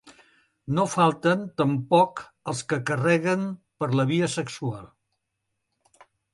No falten, tampoc, els que carreguen per la via sexual.